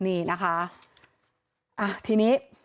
เอาทีนี้